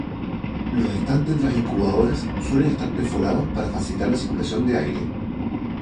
Los estantes de las incubadoras suelen estar perforados para facilitar la circulación de aire.